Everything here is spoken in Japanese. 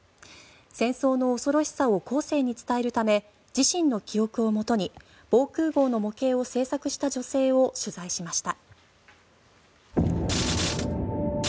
戦争の恐ろしさを後世に伝えるため自身の記憶をもとに防空壕の模型を制作した女性を取材しました。